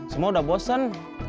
semua udah bosan